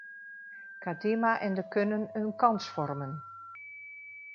Kadima en de kunnen een kans vormen.